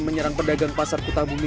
menyerang pedagang pasar kota bumi